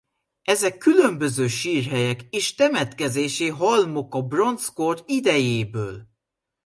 Ezek különböző sírhelyek és temetkezési halmok a bronzkor idejéből.